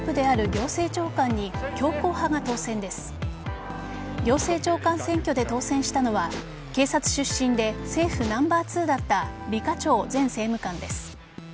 行政長官選挙で当選したのは警察出身で政府ナンバー２だったリ・カチョウ前政務官です。